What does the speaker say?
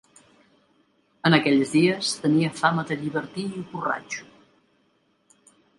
En aquells dies tenia fama de llibertí i borratxo.